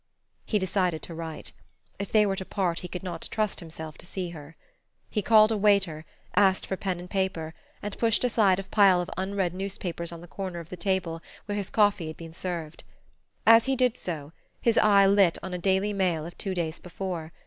He decided to write. If they were to part he could not trust himself to see her. He called a waiter, asked for pen and paper, and pushed aside a pile of unread newspapers on the corner of the table where his coffee had been served. As he did so, his eye lit on a Daily Mail of two days before.